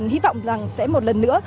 hy vọng rằng sẽ một lần nữa